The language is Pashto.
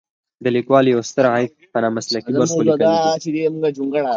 د لیکوالو یو ستر عیب په نامسلکي برخو لیکل دي.